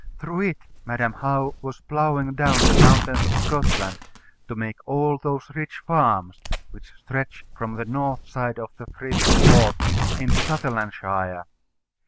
Through it Madam How was ploughing down the mountains of Scotland to make all those rich farms which stretch from the north side of the Frith of Forth into Sutherlandshire.